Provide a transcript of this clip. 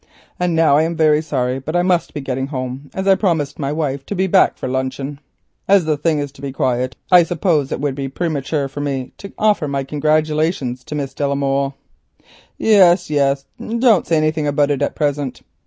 And now I am very sorry, but I must be getting home, as I promised my wife to be back for luncheon. As the thing is to be kept quiet, I suppose that it would be premature for me to offer my good wishes to Miss de la Molle." "Yes, yes, don't say anything about it at present.